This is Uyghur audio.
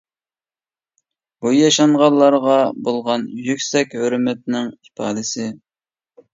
بۇ، ياشانغانلارغا بولغان يۈكسەك ھۆرمەتنىڭ ئىپادىسى.